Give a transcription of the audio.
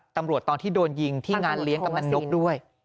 ตอนที่โดนยิงที่งานเลี้ยงกำนันนกด้วย